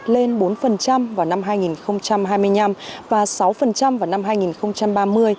lên bốn vào năm hai nghìn hai mươi năm và sáu vào năm hai nghìn ba mươi